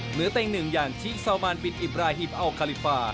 เหนือเต้นหนึ่งอย่างชิคซาวมานปิดอิปราฮิปอัลคาลิฟา